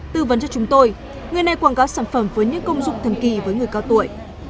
tư vấn cho chúng tôi người này quảng cáo sản phẩm với những công dụng thần kỳ với người cao tuổi